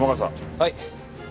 はい。